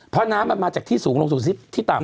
เพราะน้ำมันมาจากที่สูงลงสู่ที่ต่ำ